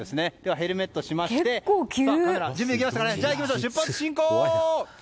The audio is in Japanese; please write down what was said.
ヘルメットをしまして出発進行！